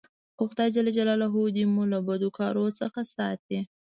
خو خداى جل جلاله دي مو له بدو کارو څخه ساتي.